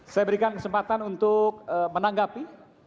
saya berikan kesempatan untuk menanggapi